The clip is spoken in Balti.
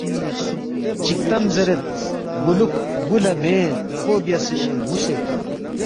چک تم زیرید بولوکھ بُو لا مین قو بیاسے نُوسے